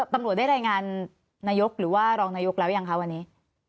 ตำรวจได้รายงานนายกหรือว่ารองนายกแล้วยังคะวันนี้